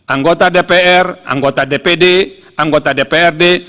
anggota dpr anggota dpd anggota dprd